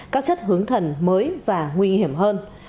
các chất hướng thần mới và nguy hiểm hơn